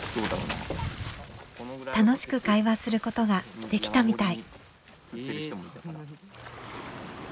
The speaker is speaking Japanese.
楽しく会話することができたみたい。